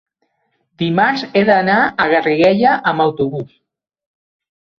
dimarts he d'anar a Garriguella amb autobús.